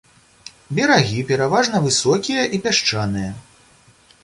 Берагі пераважна высокія і пясчаныя.